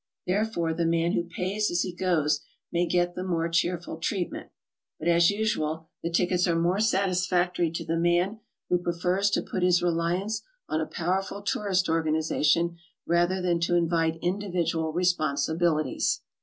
Therefore, the man who pays as he goes may get the more cheerful treatment. But as usual the tickets are more satisfactory to the man who prefers to put his reliance on a powerful tourist organization rather than to invite individual responsibilities.